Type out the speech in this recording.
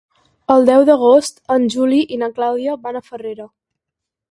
El deu d'agost en Juli i na Clàudia van a Farrera.